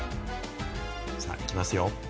さあ、行きますよ。